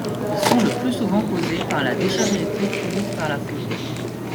Ils sont le plus souvent causés par la décharge électrique produite par la foudre.